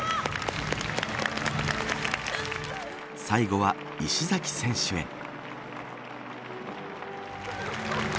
最後は石崎選手へ。